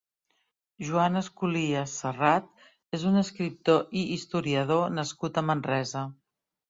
Joan Esculies Serrat és un escriptor i historiador nascut a Manresa.